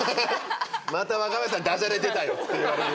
また若林さん駄じゃれ出たよって言われる。